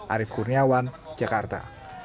arief kurniawan jakarta